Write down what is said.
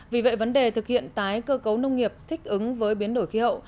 vì vậy vấn đề thực hiện tái cơ cấu nông nghiệp thích ứng với biến đổi khí hậu